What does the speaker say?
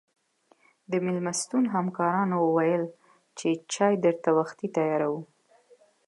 د مېلمستون همکارانو ویل چې چای درته وختي تیاروو.